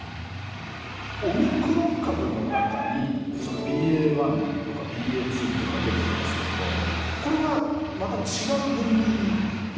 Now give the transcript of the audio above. オミクロン株の中にＢＡ．１とかＢＡ．２っていうのが出てきてますけどもこれはまた違う分類になるんですか？